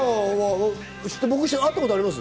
僕、会ったことあります？